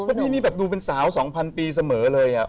เพราะพี่นี่แบบดูเป็นสาว๒๐๐ปีเสมอเลย